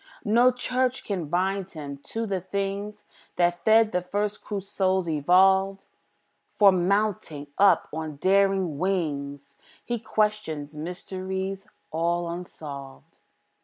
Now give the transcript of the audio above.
No church can bind him to the things That fed the first crude souls, evolved; For, mounting up on daring wings, He questions mysteries all unsolved.